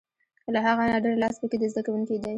له هغه نه ډېر لاس په کې د زده کوونکي دی.